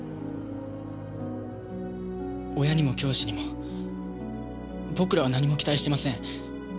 親にも教師にも僕らは何も期待してません。